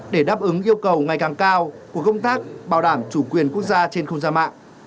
để đáp ứng yêu cầu ngày càng cao của công tác bảo đảm chủ quyền quốc gia trên không gian mạng